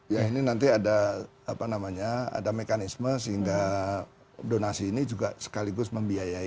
ya ini nanti ada apa namanya ada mekanisme sehingga donasi ini juga sekaligus membiayai